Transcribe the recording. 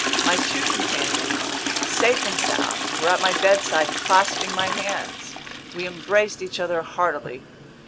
My two companions, safe and sound, were at my bedside clasping my hands. We embraced each other heartily.